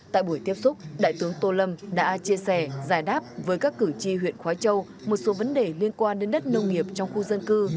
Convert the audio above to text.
tại buổi tiếp xúc đại tướng tô lâm đã chia sẻ giải đáp với các cử tri huyện khói châu một số vấn đề liên quan đến đất nông nghiệp trong khu dân cư